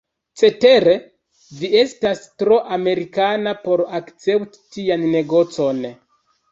Cetere, vi estas tro Amerikana por akcepti tian negocon.